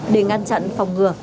để ngăn chặn phòng ngừa